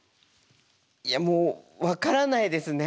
いやもう分からないですね。